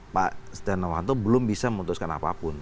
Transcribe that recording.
pak setia novanto belum bisa memutuskan apapun